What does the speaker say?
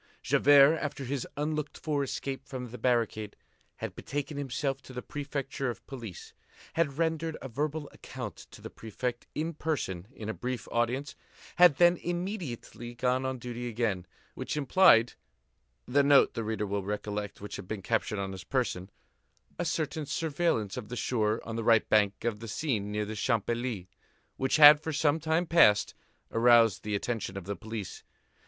Javert, after his unlooked for escape from the barricade, had betaken himself to the prefecture of police, had rendered a verbal account to the Prefect in person in a brief audience, had then immediately gone on duty again, which implied—the note, the reader will recollect, which had been captured on his person—a certain surveillance of the shore on the right bank of the Seine near the Champs Élysées, which had, for some time past, aroused the attention of the police.